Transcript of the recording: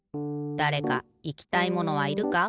だれかいきたいものはいるか？